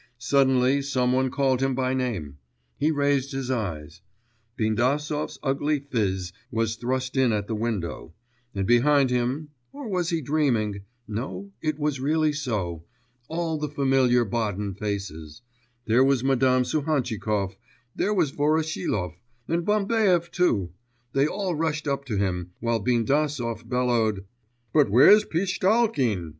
Suddenly some one called him by name; he raised his eyes; Bindasov's ugly phiz was thrust in at the window; and behind him or was he dreaming, no, it was really so all the familiar Baden faces; there was Madame Suhantchikov, there was Voroshilov, and Bambaev too; they all rushed up to him, while Bindasov bellowed: 'But where's Pishtchalkin?